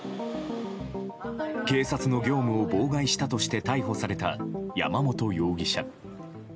警察の業務を妨害したとして逮捕された山本容疑者。